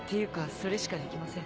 それしかできません。